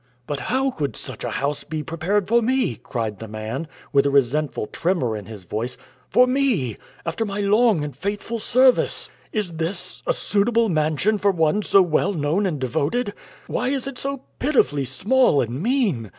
"But how could such a house be prepared for me," cried the man, with a resentful tremor in his voice "for me, after my long and faithful service? Is this a suitable mansion for one so well known and devoted? Why is it so pitifully small and mean?